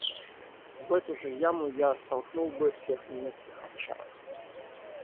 В эту же яму я столкнул бы всех немецких овчарок.